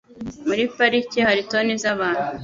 Muri parike hari toni zabantu.